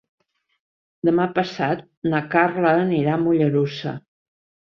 Demà passat na Carla anirà a Mollerussa.